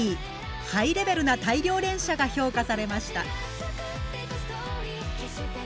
ハイレベルな大量連射が評価されました。